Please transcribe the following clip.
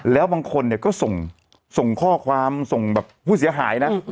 แล้วบางคนเนี่ยก็ส่งข้อความส่งแบบผู้เสียหายนะ